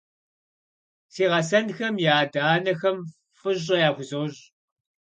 Си гъэсэнхэм я адэ-анэхэм фӀыщӀэ яхузощӀ.